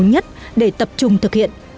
nhất để tập trung thực hiện